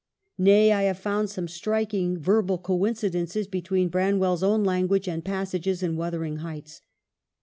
Nay, I have found some striking verbal coincidences between Branwell's own language and passages in 'Wuthering Heights.'